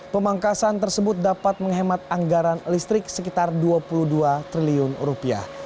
pemangkasan tersebut dapat menghemat anggaran listrik sekitar dua puluh dua triliun rupiah